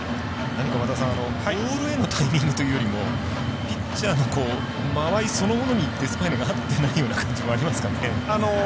何かボールへのタイミングというよりもピッチャーの間合いそのものにデスパイネが合ってないような感じもありますかね。